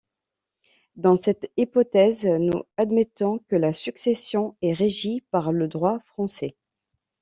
Dans cette hypothèse, nous admettons que la succession est régie par le droit français.